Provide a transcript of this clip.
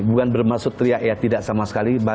bukan bermaksud teriak ya tidak sama sekali